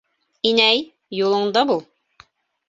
Инәй, юлыңда бул.